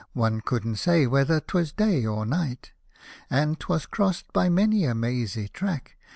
One couldn't say whether 'twas day or night ; And 'twas crost by many a mazy track.